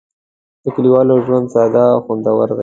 د کلیوالو ژوند ساده او خوندور دی.